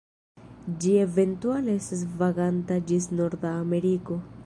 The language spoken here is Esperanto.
Ĝi eventuale estas vaganta ĝis Norda Ameriko.